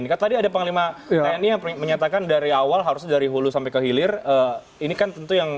ini tadi ada pengalaman yang menyatakan dari awal harus dari hulu sampai ke hilir ini kan tentu yang